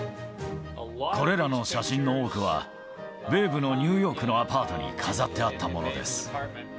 これらの写真の多くは、ベーブのニューヨークのアパートに飾ってあったものです。